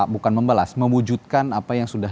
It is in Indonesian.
bukan membalas mewujudkan apa yang sudah